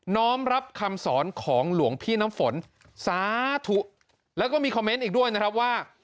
้อมรับคำสอนของหลวงพี่น้ำฝนสาธุแล้วก็มีคอมเมนต์อีกด้วยนะครับว่า